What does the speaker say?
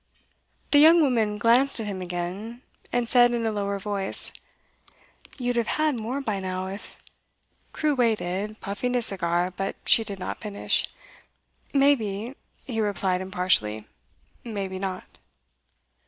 The young woman glanced at him again, and said in a lower voice: 'You'd have had more by now, if ' Crewe waited, puffing his cigar, but she did not finish. 'Maybe,' he replied impartially. 'Maybe not.